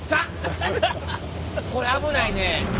これ危ないね。